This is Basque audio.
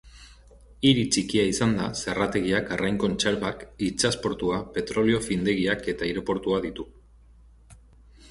Hiri txikia izanda, zerrategiak, arrain kontserbak, itsas portua, petrolio findegiak eta aireportua ditu.